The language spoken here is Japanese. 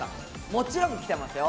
もちろん来てますよ。